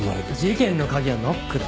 事件の鍵はノックだ。